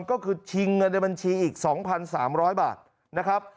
ก็คือชิงเงินในบัญชีอีก๒๓๐๐บาทนะครับ